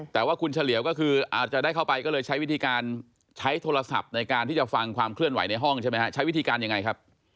แต่ว่าคุณเฉลียวก็คืออาจจะได้เข้าไปก็เลยใช้วิธีการใช้โทรศัพท์ในการที่จะฟังความเคลื่อนไหวในห้องใช่ไหมฮะใช้วิธีการยังไงครับ